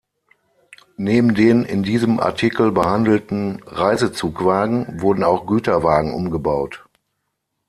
Neben den in diesem Artikel behandelten Reisezug-Wagen wurden auch Güterwagen umgebaut.